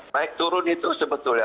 naik turun itu sebetulnya